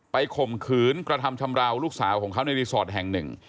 ข่มขืนกระทำชำราวลูกสาวของเขาในรีสอร์ทแห่งหนึ่ง